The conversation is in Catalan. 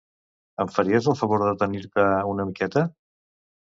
Em faries el favor de detenir-te una miqueta?